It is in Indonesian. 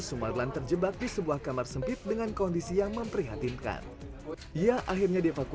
sumarlan berada di jepang